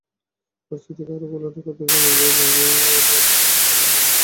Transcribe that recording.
পরিস্থিতিকে আরও ঘোলাটে করতে জঙ্গিদের সম্পৃক্ততা আমরা নাকচ করতে পারি না।